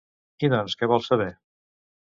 I doncs, què vol saber?